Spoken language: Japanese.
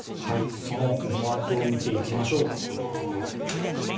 その思惑を見ていきましょう。